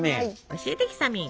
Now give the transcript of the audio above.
教えてひさみん。